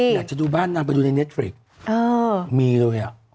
อยากจะดูบ้านนางไปดูในเน็ตฟริกมีเลยอ่ะ